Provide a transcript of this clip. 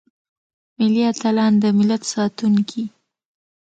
ملي اتلان دملت ساتونکي.